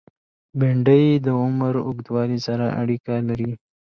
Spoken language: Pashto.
بېنډۍ د عمر اوږدوالی سره اړیکه لري